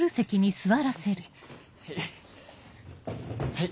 はい。